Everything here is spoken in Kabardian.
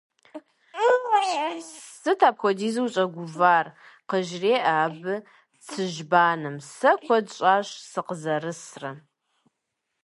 - Сыт апхуэдизу ущӀэгувар, - къыжреӀэ абы цыжьбанэм, - сэ куэд щӀащ сыкъызэрысрэ.